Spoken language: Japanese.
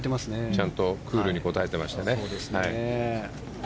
ちゃんとクールに答えてましたね。